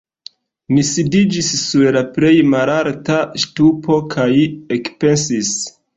Mi sidiĝis sur la plej malalta ŝtupo kaj ekpensis.